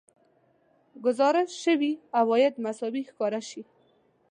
ګزارش شوي عواید مساوي ښکاره شي